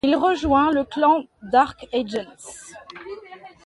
Il rejoint le clan Dark Agents.